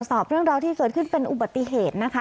สอบเรื่องราวที่เกิดขึ้นเป็นอุบัติเหตุนะคะ